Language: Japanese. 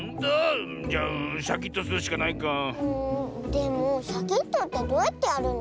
でもシャキッとってどうやってやるの？